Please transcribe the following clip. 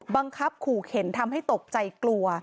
บังคับขู่เข็นทำให้ตกใจกลัว